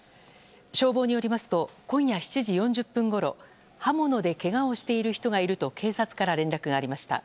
消防によりますと今夜７時４０分ごろ刃物でけがをしている人がいると警察から連絡がありました。